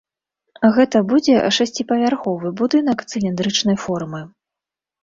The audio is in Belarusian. Гэта будзе шасціпавярховы будынак цыліндрычнай формы.